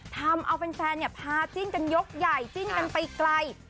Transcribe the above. ทำเอาแฟนพาจิ้นกันยกใหญ่จิ้นกันไปไกล